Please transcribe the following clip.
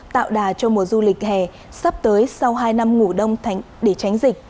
tạo đà cho mùa du lịch hè sắp tới sau hai năm ngủ đông